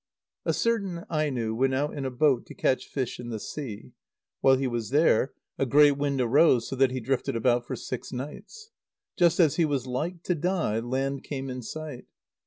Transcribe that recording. _ A certain Aino went out in a boat to catch fish in the sea. While he was there, a great wind arose, so that he drifted about for six nights. Just as he was like to die, land came in sight.